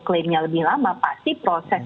klaimnya lebih lama pasti proses